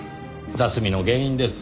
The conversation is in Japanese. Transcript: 雑味の原因です。